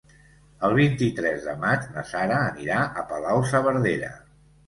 El vint-i-tres de maig na Sara anirà a Palau-saverdera.